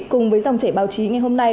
cùng với dòng trẻ báo chí ngày hôm nay